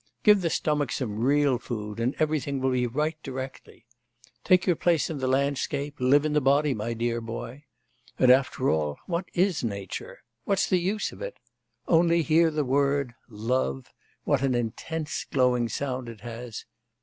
Give the stomach some real food, and everything will be right directly. Take your place in the landscape, live in the body, my dear boy. And after all, what is nature? what's the use of it? Only hear the word, love what an intense, glowing sound it has!